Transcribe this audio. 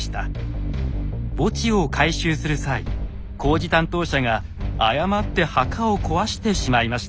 墓地を改修する際工事担当者が誤って墓を壊してしまいました。